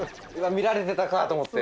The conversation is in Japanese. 見られてたかと思って。